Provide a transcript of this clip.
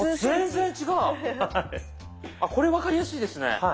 これ分かりやすいですね。